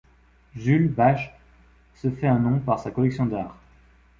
Jules Bache se fait un nom par sa collection d'art.